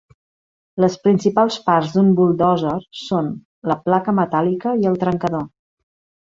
Les principals parts d'un buldòzer són: la placa metàl·lica i el trencador.